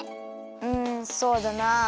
うんそうだな。